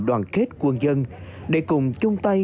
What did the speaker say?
đoàn kết quân dân để cùng chung tay